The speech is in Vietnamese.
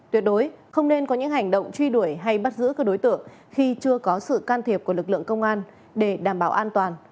tuyệt đối không nên có những hành động truy đuổi hay bắt giữ các đối tượng khi chưa có sự can thiệp của lực lượng công an để đảm bảo an toàn